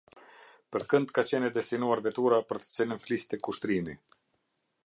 Për kënd ka qenë e destinuar vetura për të cilën fliste Kushtrimi?